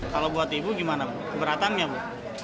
kalau buat ibu gimana keberatan gak ibu